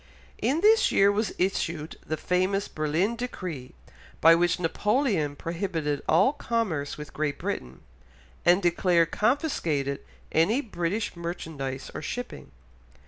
In this year was issued the famous Berlin Decree, by which Napoleon prohibited all commerce with Great Britain, and declared confiscated any British merchandise or shipping.